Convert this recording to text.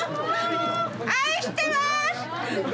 愛してます！